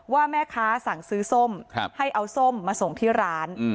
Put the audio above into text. ว่าแม่ค้าสั่งซื้อส้มให้เอาส้มมาส่งที่ร้าน